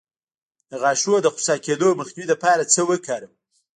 د غاښونو د خوسا کیدو مخنیوي لپاره څه وکاروم؟